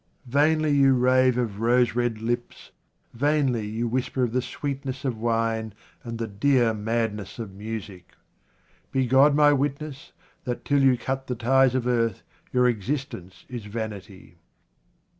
Vainly you rave of rose red lips, vainly you whisper of the sweetness of wine and the dear madness of music. Be God my witness that till you cut the ties of earth your existence is vanity.